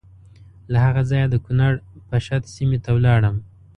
له هغه ځایه د کنړ پَشَت سیمې ته ولاړم.